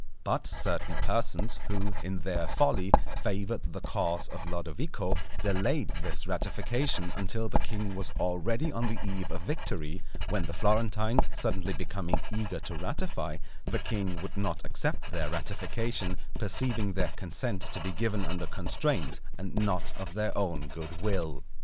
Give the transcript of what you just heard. But certain persons, who, in their folly, favoured the cause of Lodovico, delayed this ratification until the king was already on the eve of victory; when the Florentines suddenly becoming eager to ratify, the king would not accept their ratification, perceiving their consent to be given under constraint and not of their own good will.